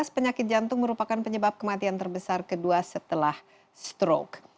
penyakit jantung merupakan penyebab kematian terbesar kedua setelah stroke